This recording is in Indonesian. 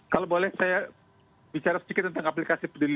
kalau boleh saya bicara sedikit tentang aplikasi